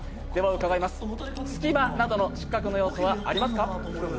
伺います、隙間などの失格の要素はありますか？